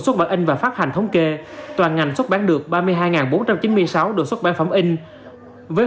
xuất bản in và phát hành thống kê toàn ngành xuất bán được ba mươi hai bốn trăm chín mươi sáu đội xuất bản phẩm in với